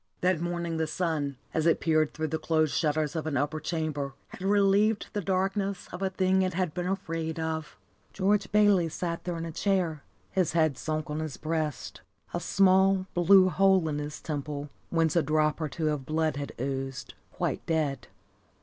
That morning the sun, as it peered through the closed shutters of an upper chamber, had relieved the darkness of a thing it had been afraid of. George Bayley sat there in a chair, his head sunk on his breast, a small, blue hole in his temple, whence a drop or two of blood had oozed, quite dead.